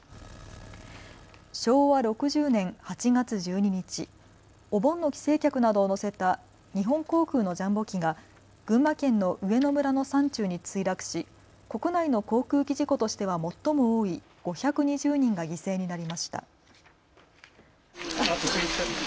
昭和６０年８月１２日お盆の帰省客などを乗せた日本航空のジャンボ機が群馬県の上野村の山中に墜落し国内の航空機事故としては最も多い５２０人が犠牲になりました。